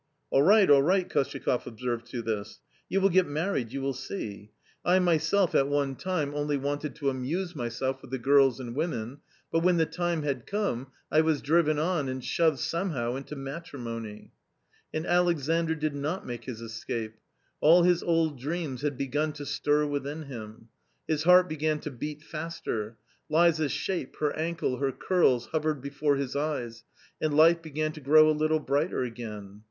" All right, all right," KostyakofF observed to this. "You will get married, you will see. I myself at one time only 214 A COMMON STORY wanted to amuse myself with the girls and women, but when the time had corneal was driven on and shoved some how into matrimony." And Alexandr did not make his escape. All his old dreams had begun to stir within him. His heart began to beat faster. Liza's shape, her ankle, her curls hovered before his eyes, and life began to grow a little brighter again.